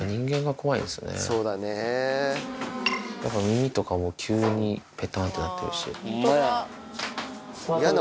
耳とかも急にペタンってなってるし。